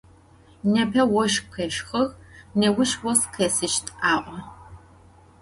Nêpe voşx khêşxığ, nêuş vos khêsışt a'o.